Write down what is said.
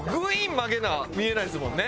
曲げな見えないですもんね